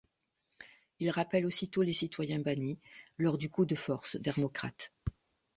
Il rappelle aussitôt les citoyens bannis lors du coup de force d'Hermocrate.